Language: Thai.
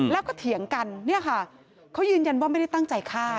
แล้วก็เถียงกันเนี่ยค่ะเขายืนยันว่าไม่ได้ตั้งใจฆ่า